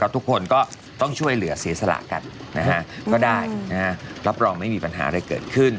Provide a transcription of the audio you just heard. ทุกคนก็ต้องช่วยเหลือเสียสละกันก็ได้รับรองไม่มีปัญหาอะไรเกิดขึ้น